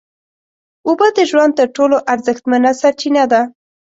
اوبه د ژوند تر ټولو ارزښتمنه سرچینه ده